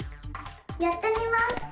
やってみます！